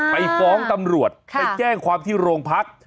ไปฟ้องตำรวจไปแจ้งความที่โรงพัก